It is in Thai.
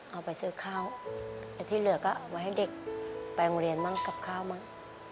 เอาไปซื้อข้าวแล้วที่เหลือก็เอาไว้ให้เด็กไปโรงเรียนมั่งกับข้าวบ้าง